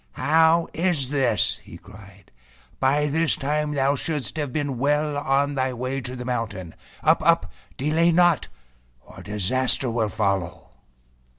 "How is this?" he cried! " By this time thou shouldst have been well on thy way to the mountain. Up! Up ! delay not, or disaster will follow!"